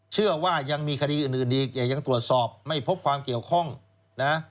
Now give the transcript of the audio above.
เชื่อว่ายังมีคดีอื่นอีกอย่ายังตรวจสอบไม่พบความเกี่ยวข้องนะ